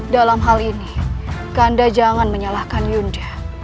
dalam hal ini kanda jangan menyalahkan yunda